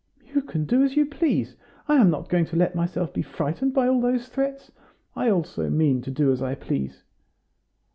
"You can do as you please. I am not going to let myself be frightened by all those threats. I also mean to do as I please."